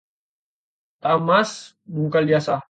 Tak emas bungkal diasah